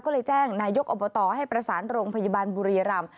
ก็เลยแจ้งนายกอบตให้ประสานโรงพยาบาลบุรีรำ